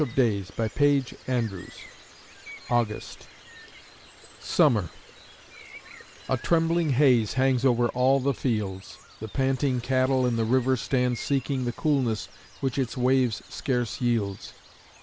FOLK (The Ku Klux Klan) August SUMMER A trembling haze hangs over all the fields The panting cattle in the river stand Seeking the coolness which its wave scarce yields.